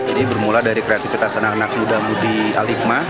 ini bermula dari kreativitas anak anak muda mudi al hikmah